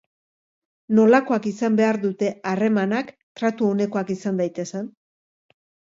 Nolakoak izan behar dute harremanak tratu onekoak izan daitezen?